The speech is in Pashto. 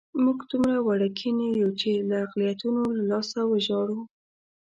موږ دومره وړوکي نه یو چې له اقلیتونو لاسه وژاړو.